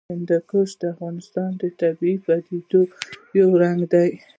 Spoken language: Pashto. هندوکش د افغانستان د طبیعي پدیدو یو رنګ دی.